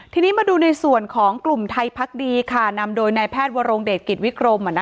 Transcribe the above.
ทีนี้มาดูในส่วนของกลุ่มไทยพักดีค่ะนำโดยนายแพทย์วรงเดชกิจวิกรม